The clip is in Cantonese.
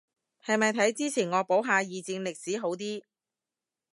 係咪睇之前惡補下二戰歷史好啲